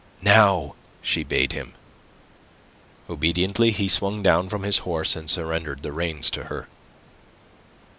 "Now!" she bade him. Obediently he swung down from his horse, and surrendered the reins to her.